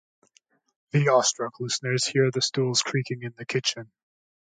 The awestruck listeners hear the stools creaking in the kitchen.